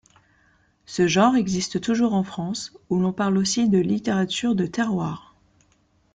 Ce genre existe toujours en France, où l'on parle aussi de littérature de terroir.